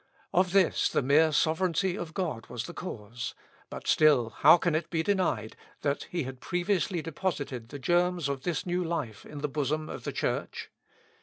Of this, the mere sovereignty of God was the cause; but still, how can it be denied, that He had previously deposited the germs of this new life in the bosom of the Church?